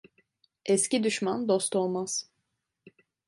Eski düşman dost olmaz.